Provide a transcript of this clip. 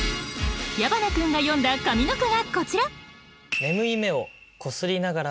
矢花君が詠んだ上の句がこちら。